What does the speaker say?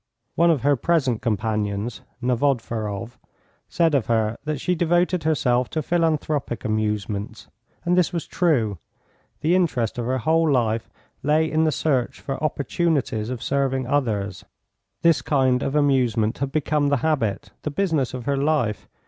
One of her present companions, Novodvoroff, said of her that she devoted herself to philanthropic amusements. And this was true. The interest of her whole life lay in the search for opportunities of serving others. This kind of amusement had become the habit, the business of her life.